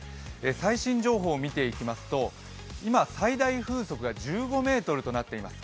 最新情報を見ていきますと今、最大風速が１５メートルとなっています。